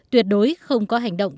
tuyệt đối không có hành động